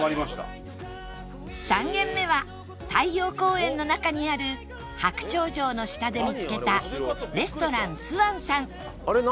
３軒目は太陽公園の中にある白鳥城の下で見つけたレストランスワンさん